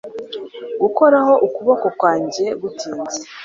Gukoraho ukuboko kwanjye gutinze